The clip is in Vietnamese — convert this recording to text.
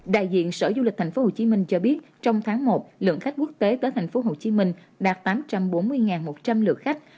đại diện sở du lịch tp hcm cho biết trong tháng một lượng khách quốc tế tới tp hcm đạt tám trăm bốn mươi một trăm linh lượt khách